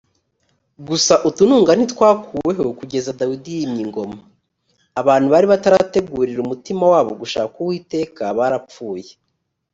gusa utununga ntitwakuweho kugeza dawidi yimye ingoma. abantu bari batarategurira umutima wabo gushaka uwiteka barapfuye